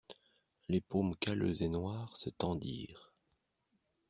Les paumes calleuses et noires se tendirent.